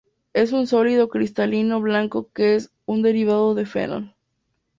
Es un sólido cristalino blanco que es un derivado de fenol.